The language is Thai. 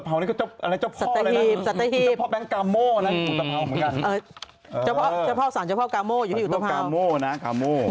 เจ้าพ่อสั่นเจ้าพ่อการม่ออยู่ที่อุตระพาว